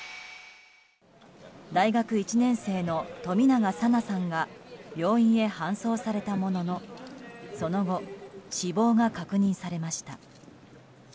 大学１年生の冨永紗菜さんが病院に搬送されたもののその後、死亡が確認されました。